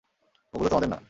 ওগুলো তোমাদের না।